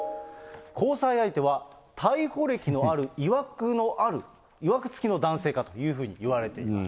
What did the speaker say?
交際相手は、逮捕歴のある、いわく付きの男性だというふうにいわれています。